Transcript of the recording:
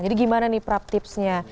jadi gimana nih praktipsnya